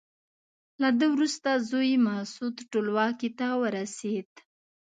له ده وروسته زوی یې مسعود ټولواکۍ ته ورسېد.